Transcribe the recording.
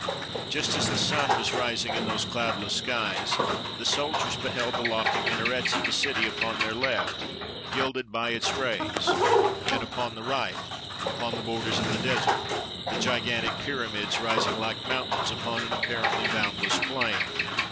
Just as the sun was rising in those cloudless skies, the soldiers beheld the lofty minarets of the city upon their left gilded by its rays, and upon the right, upon the borders of the desert, the gigantic 222 THE BATTLE OF THE PYRAMIDS pyramids rising like mountains upon an apparently boundless plain.